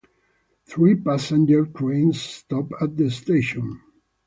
Three Passenger trains stop at the station.